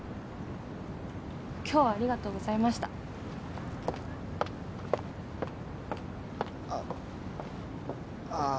今日はありがとうございましたあっああ